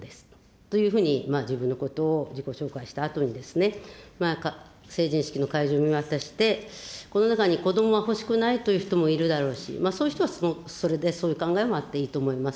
というふうに自分のことを自己紹介したあとにですね、成人式の会場を見渡して、この中に子どもは欲しくないという人もいるだろうし、そういう人はそれで、そういう考えもあっていいと思います。